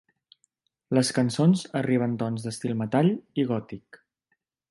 Les cançons arriben tons d'estil metall i gòtic.